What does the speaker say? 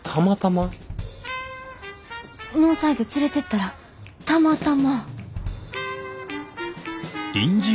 ノーサイド連れてったらたまたま。